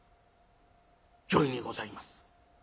「御意にございます」。